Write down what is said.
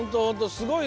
すごいね！